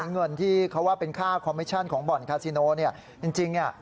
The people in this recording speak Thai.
เงินที่เขาว่าเป็นค่าคอมมิชชั่นของบ่อนคาซิโนเนี่ยจริง